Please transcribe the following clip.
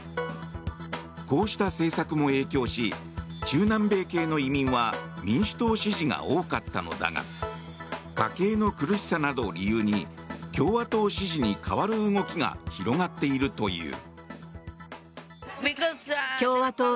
こうした政策も影響し中南米系の移民は民主党支持が多かったのだが家計の苦しさなどを理由に共和党支持に変わる動きが広がっているという。